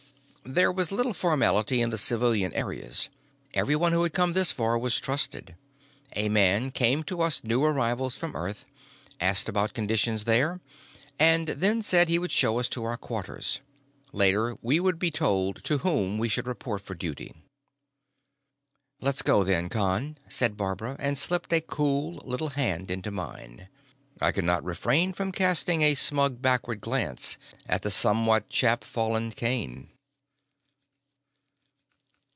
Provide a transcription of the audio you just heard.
There was little formality in the civilian areas. Everyone who had come this far was trusted. A man came up to us new arrivals from Earth, asked about conditions there, and then said he would show us to our quarters. Later we would be told to whom we should report for duty. "Let's go, then, Con," said Barbara, and slipped a cool little hand into mine. I could not refrain from casting a smug backward glance at the somewhat chapfallen Kane.